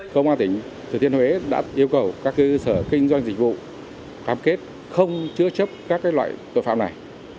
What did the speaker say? công an tỉnh thừa thiên huế đã yêu cầu các cơ sở kinh doanh dịch vụ khám kết không chữa chấp các loại tội phạm này